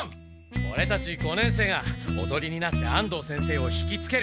オレたち五年生がおとりになって安藤先生を引きつける。